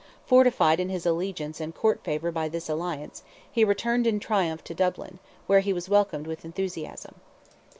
Fortified in his allegiance and court favour by this alliance, he returned in triumph to Dublin, where he was welcomed with enthusiasm.